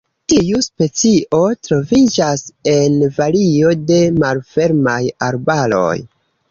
Tiu specio troviĝas en vario de malfermaj arbaroj.